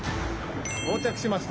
到着しました。